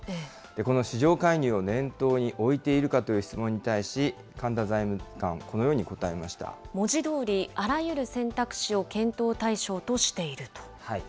この市場介入を念頭に置いているかという質問に対し、神田財務官、文字どおりあらゆる選択肢を検討対象としていると。